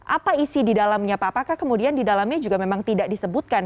apa isi di dalamnya pak apakah kemudian di dalamnya juga memang tidak disebutkan